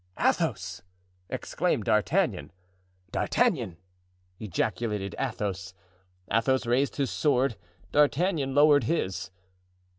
"Athos!" exclaimed D'Artagnan. "D'Artagnan!" ejaculated Athos. Athos raised his sword; D'Artagnan lowered his.